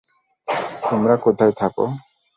তোমার কোথায় থাকো?